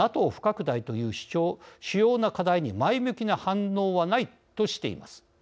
ＮＡＴＯ不拡大という主要な課題に前向きな反応はないとしています。